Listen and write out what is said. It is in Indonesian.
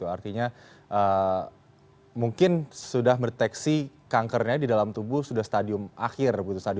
artinya mungkin sudah mendeteksi kankernya di dalam tubuh sudah stadium akhir